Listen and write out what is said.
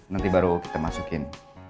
nanti baru kita masukin